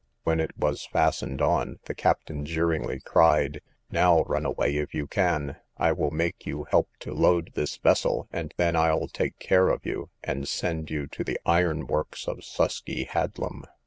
When it was fastened on, the captain jeeringly cried, Now run away if you can; I will make you help to load this vessel, and then I'll take care of you, and send you to the ironworks of Susky Hadlam.